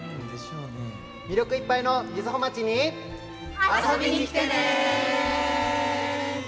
魅力いっぱいの瑞穂町に遊びに来てね！